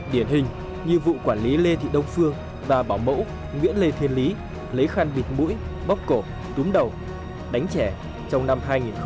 điển hình như vụ quản lý lê thị đông phương và bảo mẫu nguyễn lê thiên lý lấy khăn vịt mũi bóc cổ túm đầu đánh trẻ trong năm hai nghìn một mươi tám